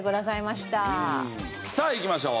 さあいきましょう。